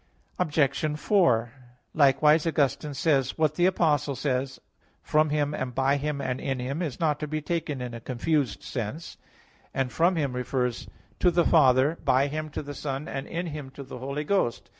Obj. 4: Likewise Augustine says (De Trin. vi, 10): "What the Apostle says, "From Him, and by Him, and in Him," is not to be taken in a confused sense." And (Contra Maxim. ii) "'from Him' refers to the Father, 'by Him' to the Son, 'in Him' to the Holy Ghost."